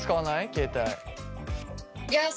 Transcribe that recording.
携帯。